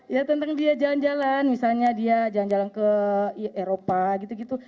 ya tentang dia jalan jalan misalnya dia jalan jalan ke eropa gitu gitu